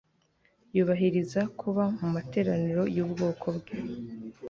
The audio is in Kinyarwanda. yubahiriza kuba mu materaniro y'ubwoko bwe